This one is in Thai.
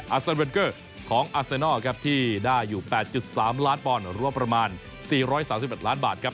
ซันเวนเกอร์ของอาเซนอลครับที่ได้อยู่๘๓ล้านปอนด์รวมประมาณ๔๓๑ล้านบาทครับ